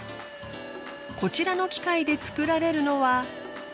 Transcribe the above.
こちらの機械で作られるのは。